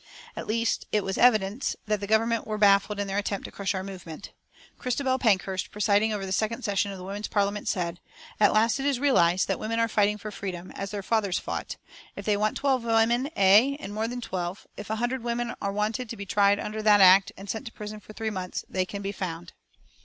At least, it was evidence that the Government were baffled in their attempt to crush our movement. Christabel Pankhurst, presiding over the second session of the Women's Parliament, said: "At last it is realized that women are fighting for freedom, as their fathers fought. If they want twelve women, aye, and more than twelve, if a hundred women are wanted to be tried under that act and sent to prison for three months, they can be found."